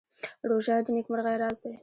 روژه د نېکمرغۍ راز دی.